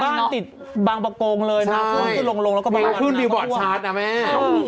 บางน้ำติดบางประโกงเลยนะครับลงแล้วก็ประมาณนั้นมีขึ้นดิวบอร์ดชาร์จนะแม่